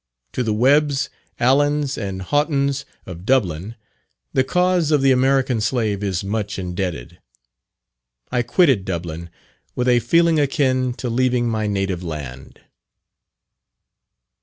To the Webbs, Allens, and Haughtons, of Dublin, the cause of the American slave is much indebted. I quitted Dublin with a feeling akin to leaving my native land.